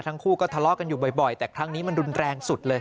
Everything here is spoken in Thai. ทั้งคู่ก็ทะเลาะกันอยู่บ่อยแต่ครั้งนี้มันรุนแรงสุดเลย